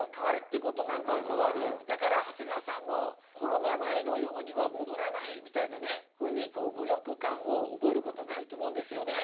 だから長谷川さんもコロナ前のようには戻らないみたいなふうに無力感を覚えることはないと思うんですよね。